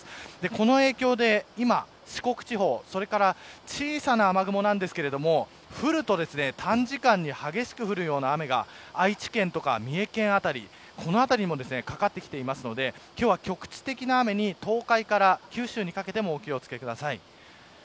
この影響で今、四国地方それから小さな雨雲ですが降ると、短時間に激しく降るような雨が愛知県や三重県辺りこの辺りもかかっているので局地的な雨に東海から九州にかけてもお気を付けください。